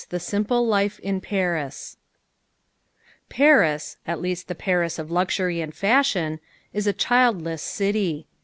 The Simple Life in Paris_ PARIS at least the Paris of luxury and fashion is a childless city.